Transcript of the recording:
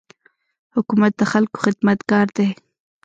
حکومت د خلکو خدمتګار دی.